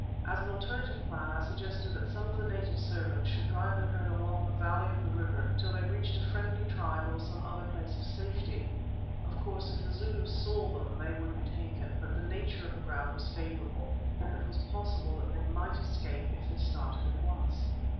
As an alternative plan I suggested that some of the native servants should drive the herd along the valley of the river till they reached a friendly tribe or some other place of safety. Of course, if the Zulus saw them they would be taken, but the nature of the ground was favourable, and it was possible that they might escape if they started at once.